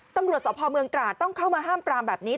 ตำรวจสพเมืองตราดต้องเข้ามาห้ามปรามแบบนี้